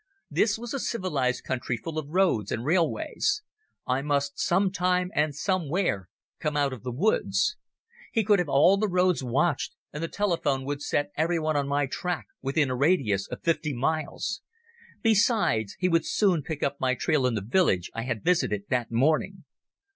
This was a civilized country full of roads and railways. I must some time and somewhere come out of the woods. He could have all the roads watched, and the telephone would set everyone on my track within a radius of fifty miles. Besides, he would soon pick up my trail in the village I had visited that morning.